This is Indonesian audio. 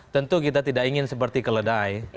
tentu kita tidak ingin seperti keledai